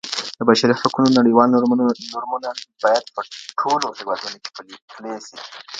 د بشري حقونو نړیوال نورمونه باید په ټولو هیوادونو کي پلي سي.